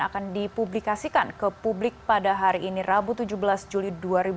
akan dipublikasikan ke publik pada hari ini rabu tujuh belas juli dua ribu dua puluh